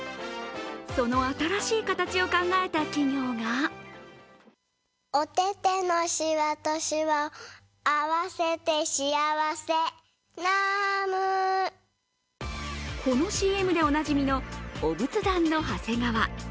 その新しい形を考えた企業がこのＣＭでおなじみのお仏壇のはせがわ。